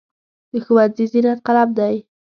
د ښوونځي زینت قلم دی.